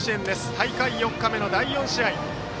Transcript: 大会４日目の第４試合。